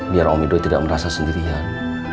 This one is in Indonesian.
biar om ido tidak merasa sendirian